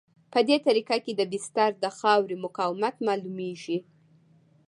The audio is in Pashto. په دې طریقه کې د بستر د خاورې مقاومت معلومیږي